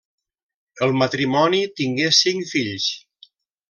El matrimoni tingué cinc fills.